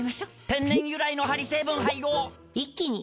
天然由来のハリ成分配合一気に！